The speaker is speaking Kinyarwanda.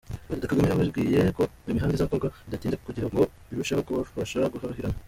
Perezida Kagame yababwiye ko iyo mihanda izakorwa bidatinze kugira ngo irusheho kubafasha guhahirana.